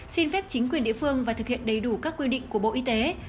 xin phép chính quyền địa phương và thực hiện đầy đủ các quy định của bộ y tế